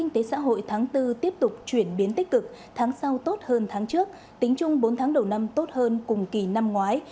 tháng bốn tiếp tục chuyển biến tích cực tháng sau tốt hơn tháng trước tính chung bốn tháng đầu năm tốt hơn cùng kỳ năm ngoái